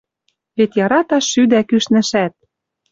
Вет яраташ шӱдӓ кӱшнӹшӓт.